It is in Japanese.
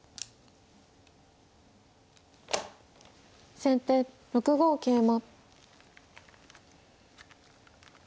先手６五桂馬。